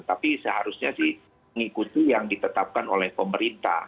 tapi seharusnya mengikuti yang ditetapkan oleh pemerintah